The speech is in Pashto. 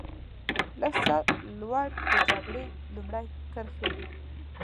لږ څه لوړ د جګړې لومړۍ کرښې وې.